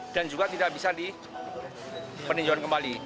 dan juga tidak bisa di peninjauan kembali